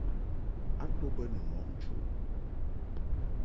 A to mbə ni mɔʼ nchuʼ.